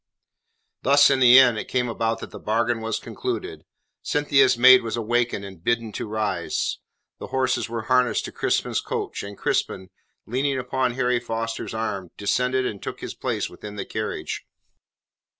Thus in the end it came about that the bargain was concluded. Cynthia's maid was awakened and bidden to rise. The horses were harnessed to Crispin's coach, and Crispin, leaning upon Harry Foster's arm, descended and took his place within the carriage.